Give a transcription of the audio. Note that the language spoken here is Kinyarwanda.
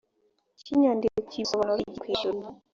cy inyandiko kibisobanura igihe kwishyura